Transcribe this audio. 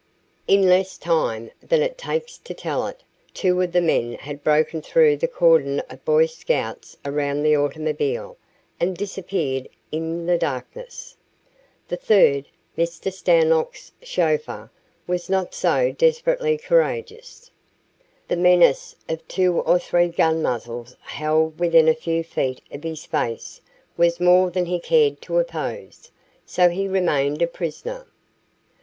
In less time than it takes to tell it, two of the men had broken through the cordon of Boy Scouts around the automobile and disappeared in the darkness. The third, Mr. Stanlock's chauffeur, was not so desperately courageous. The menace of two or three gun muzzles held within a few feet of his face was more than he cared to oppose, so he remained a prisoner.